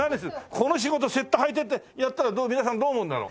この仕事雪駄履いてやったら皆さんどう思うんだろう？